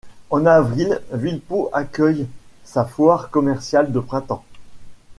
En avril, Villepot accueille sa Foire commerciale de Printemps.